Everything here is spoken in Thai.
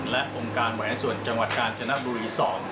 และองค์การบริหารส่วนจังหวัดกาญจนบุรี๒